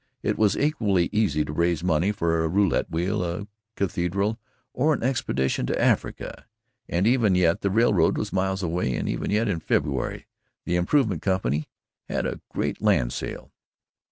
It was equally easy to raise money for a roulette wheel, a cathedral or an expedition to Africa. And even yet the railroad was miles away and even yet in February, the Improvement Company had a great land sale.